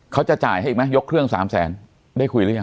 เขาจะจ่ายให้อีกไหมยกเครื่องสามแสนได้คุยหรือยัง